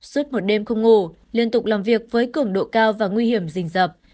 suốt một đêm không ngủ liên tục làm việc với cường độ cao và nguy hiểm rình rập